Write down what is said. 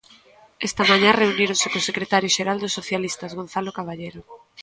Esta mañá reuníronse co secretario xeral dos socialistas, Gonzalo Caballero.